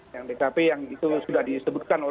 yang dkp yang itu sudah disebutkan